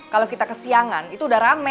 kalau kita kesiangan itu udah rame